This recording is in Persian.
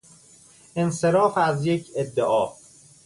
انصراف از یک ادعا